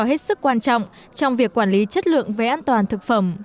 hết sức quan trọng trong việc quản lý chất lượng về an toàn thực phẩm